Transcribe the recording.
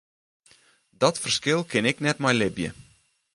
Dat ferskil kin ik net mei libje.